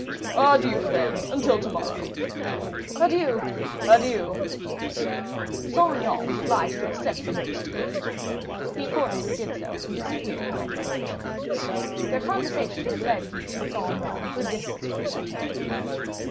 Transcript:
"Adieu, then, until to morrow." "Adieu, adieu!" Saint Aignan was obliged to accept the notice to quit; he accordingly did so, and disappeared behind the hedge. Their conversation had led Guiche and Saint Aignan a good distance from the chateau.